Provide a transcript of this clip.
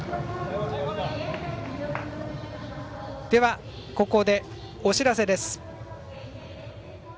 では、ここでお知らせです。